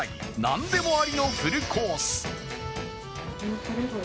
なんでもありのフルコース。